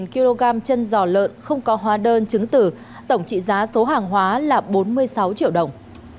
một kg chân giò lợn không có hóa đơn chứng tử tổng trị giá số hàng hóa là bốn mươi sáu triệu đồng